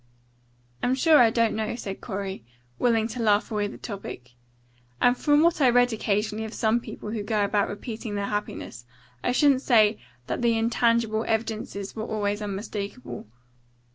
"I'm sure I don't know," said Corey, willing to laugh away the topic. "And from what I read occasionally of some people who go about repeating their happiness, I shouldn't say that the intangible evidences were always unmistakable."